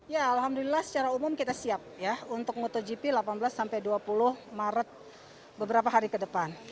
ya alhamdulillah secara umum kita siap ya untuk motogp delapan belas sampai dua puluh maret beberapa hari ke depan